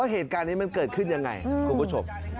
เหตุการณ์นี้มันเกิดขึ้นยังไงคุณผู้ชม